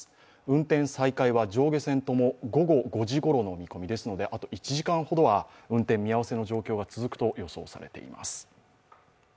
運転再開は上下線とも午後５時ごろの見込みですので、あと１時間ほどは、運転見合わせの状況が続くと予想されています。